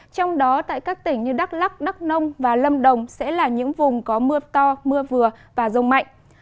trong đó tại các tỉnh như đắk lắc đắk nông và lâm đồng sẽ là những vùng có mưa to mưa vừa và rông mạnh